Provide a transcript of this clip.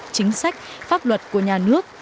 chính sách pháp luật của nhà nước